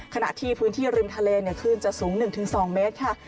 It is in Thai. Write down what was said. ขณะที่พื้นที่ริมทะเลคลื่นจะสูง๑๒เมตรค่ะ